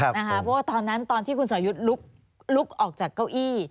เพราะว่าตอนนั้นตอนที่คุณสอยุทธ์ลุกออกจากเก้าอี้